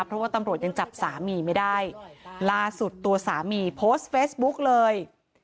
เพราะว่าตำรวจยังจับสามีไม่ได้ล่าสุดตัวสามีโพสต์เฟซบุ๊กเลย